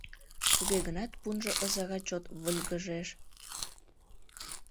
Туге гынат пунжо ызыра чот выльгыжеш.